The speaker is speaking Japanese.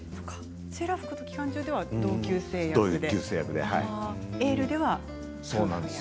「セーラー服と機関銃」では同級生役で「エール」ではご夫婦役。